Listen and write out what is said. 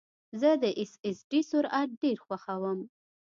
زه د ایس ایس ډي سرعت ډېر خوښوم.